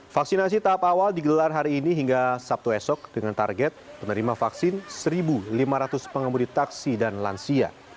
vaksinasi tahap awal digelar hari ini hingga sabtu esok dengan target penerima vaksin satu lima ratus pengemudi taksi dan lansia